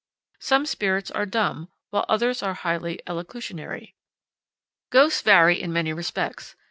Some spirits are dumb, while others are highly elocutionary. Ghosts vary in many respects.